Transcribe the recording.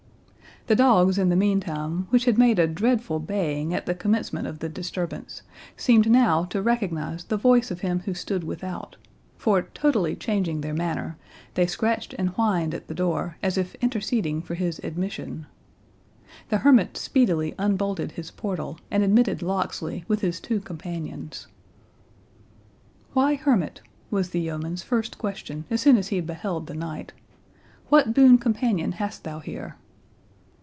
The dogs, in the meantime, which had made a dreadful baying at the commencement of the disturbance, seemed now to recognise the voice of him who stood without; for, totally changing their manner, they scratched and whined at the door, as if interceding for his admission. The hermit speedily unbolted his portal, and admitted Locksley, with his two companions. "Why, hermit," was the yeoman's first question as soon as he beheld the knight, "what boon companion hast thou here?"